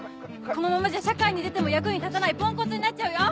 このままじゃ社会に出ても役に立たないポンコツになっちゃうよ